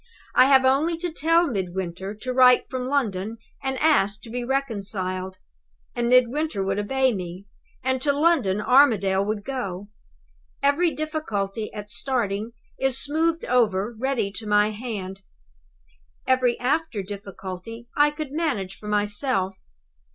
I have only to tell Midwinter to write from London, and ask to be reconciled; and Midwinter would obey me and to London Armadale would go. Every difficulty, at starting, is smoothed over ready to my hand. Every after difficulty I could manage for myself.